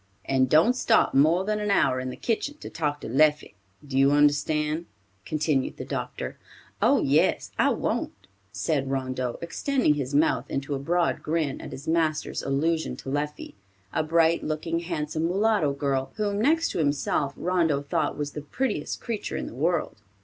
"And don't stop more than an hour in the kitchen to talk to Leffie. Do you understand?" continued the doctor. "Oh, yes, I won't," said Rondeau, extending his mouth into a broad grin at his master's allusion to Leffie, a bright looking, handsome, mulatto girl, whom next to himself, Rondeau thought was the prettiest creature in the world.